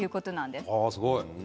すごい。